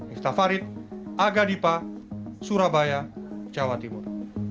istafarid agadipa surabaya jawa timur